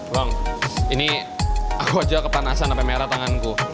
bang ini aku aja kepanasan sampai merah tanganku